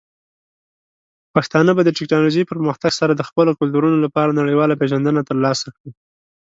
پښتانه به د ټیکنالوجۍ پرمختګ سره د خپلو کلتورونو لپاره نړیواله پیژندنه ترلاسه کړي.